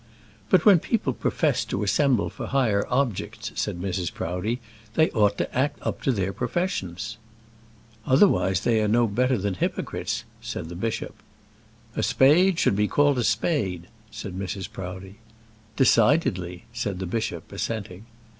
"But when people profess to assemble for higher objects," said Mrs. Proudie, "they ought to act up to their professions." "Otherwise they are no better than hypocrites," said the bishop. "A spade should be called a spade," said Mrs. Proudie. "Decidedly," said the bishop, assenting.